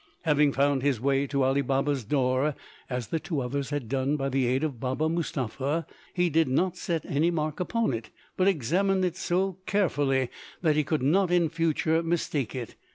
Having found his way to Ali Baba's door, as the two others had done by the aid of Baba Mustapha, he did not set any mark upon it, but examined it so carefully that he could not in future mistake it.